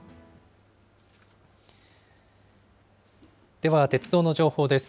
では鉄道の情報です。